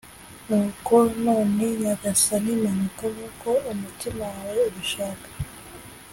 Nuko none Nyagasani, manuka nk’uko umutima wawe ubishaka